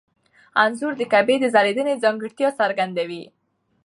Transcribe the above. انځور د کعبې د ځلېدنې ځانګړتیا څرګندوي.